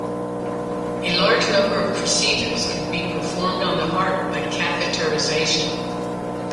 A large number of procedures can be performed on the heart by catheterization.